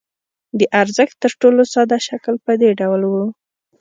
د ارزښت تر ټولو ساده شکل په دې ډول وو